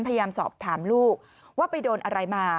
พยายามสอบถามลูกว่าไปโดนอะไรมา